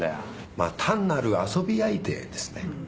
まあ単なる遊び相手ですね。